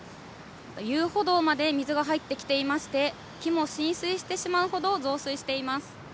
遊歩道まで水が入ってきていまして、木も浸水してしまうほど増水しています。